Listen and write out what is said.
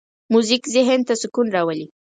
موزیک ذهن ته سکون راولي.